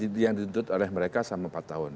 ini yang ditutup oleh mereka selama empat tahun